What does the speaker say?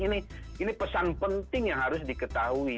ini pesan penting yang harus diketahui